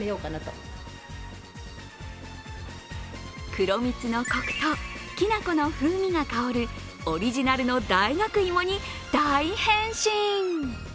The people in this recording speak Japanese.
黒蜜のコクときな粉の風味が香るオリジナルの大学芋に大変身。